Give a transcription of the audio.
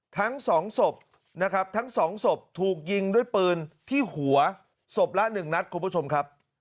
ทั้ง๒ศพถูกยิงด้วยปืนที่หัวศพละ๑นัดคุณผู้ชมครับ